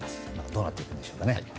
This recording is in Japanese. どうなっていくんでしょうね。